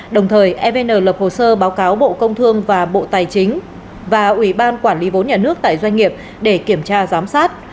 đồng thời evn lập hồ sơ báo cáo bộ công thương và bộ tài chính và ủy ban quản lý vốn nhà nước tại doanh nghiệp để kiểm tra giám sát